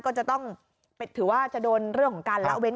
ก็จะต้องถือว่าจะโดนเรื่องของการละเว้น